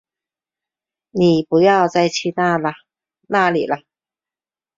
妳不要再去那里了